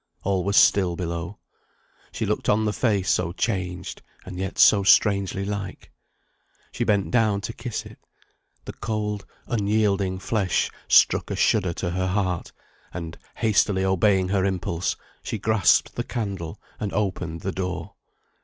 All was still below. She looked on the face so changed, and yet so strangely like. She bent down to kiss it. The cold, unyielding flesh struck a shudder to her heart, and, hastily obeying her impulse, she grasped the candle, and opened the door.